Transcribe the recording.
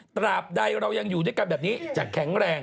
ตราบใดเรายังอยู่ด้วยกันแบบนี้จะแข็งแรง